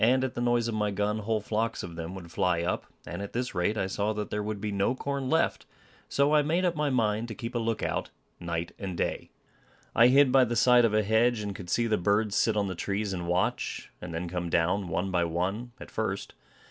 At the noise of my gun, whole flocks of them would fly up; and at this rate I saw that there would be no corn left; so I made up my mind to keep a look out night and day. I hid by the side of a hedge, and could see the birds sit on the trees and watch, and then come down, one by one, at first.